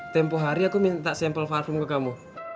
tempoh hari aku minta sampel parfum ke kamu